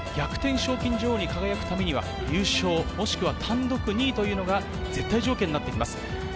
賞金女王に輝くためには優勝、もしくは単独２位というのが絶対条件になってきます。